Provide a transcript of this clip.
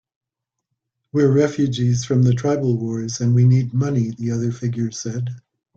"We're refugees from the tribal wars, and we need money," the other figure said.